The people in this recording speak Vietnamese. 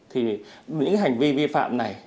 thì những hành vi vi phạm này